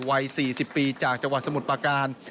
วัย๔๐ปีจากจังหวัดสมุทรประการ